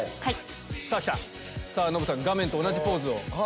さぁ来たノブさん画面と同じポーズを。